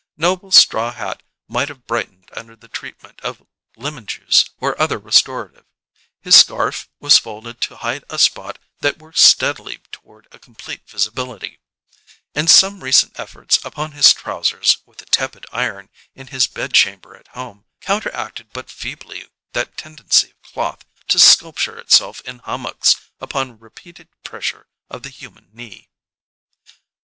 Noble's straw hat might have brightened under the treatment of lemon juice or other restorative; his scarf was folded to hide a spot that worked steadily toward a complete visibility, and some recent efforts upon his trousers with a tepid iron, in his bedchamber at home, counteracted but feebly that tendency of cloth to sculpture itself in hummocks upon repeated pressure of the human knee.